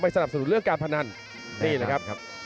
สนับสนุนเรื่องการพนันนี่แหละครับ